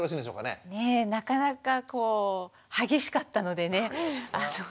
ねえなかなかこう激しかったのでね